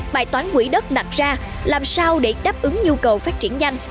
bài toán quỹ đất đặt ra làm sao để đáp ứng nhu cầu phát triển nhanh